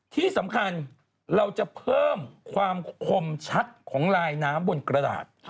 ที่สำคัญเราจะเพิ่มความคมชัดของลายน้ำบนกระดาษ